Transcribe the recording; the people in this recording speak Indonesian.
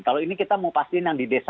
kalau ini kita mau pasien yang di desa